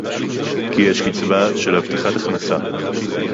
כי יש קצבה של הבטחת הכנסה